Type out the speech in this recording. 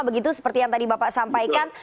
begitu seperti yang tadi bapak sampaikan